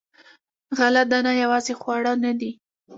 غله دانه یوازې خواړه نه دي.